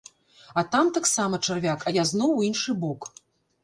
А там таксама чарвяк, а я зноў у іншы бок.